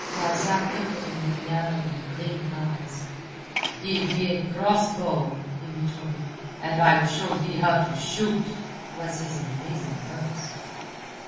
Marzak looked at him with narrowing, gleaming eyes. "Give me a cross bow," he retorted, "and I'll show thee how to shoot," was his amazing boast.